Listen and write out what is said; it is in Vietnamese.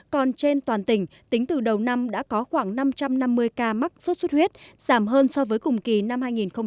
còn trên toàn tỉnh tính từ đầu năm đã có khoảng năm trăm năm mươi ca mắc sốt xuất huyết giảm hơn so với cùng kỳ năm hai nghìn một mươi tám